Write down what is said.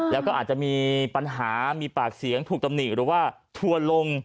แล้วก็อาจจะมีปัญหามีปากเสียงถูกตำหนิหรือว่าทัวร์ลง